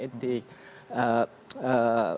pertanyaan yang saya ingin